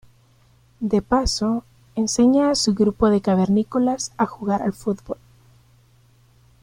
De paso, enseña a su grupo de cavernícolas a jugar al fútbol.